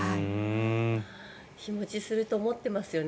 日持ちすると思ってますよね。